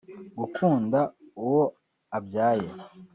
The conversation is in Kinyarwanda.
gukunda uwo abyaye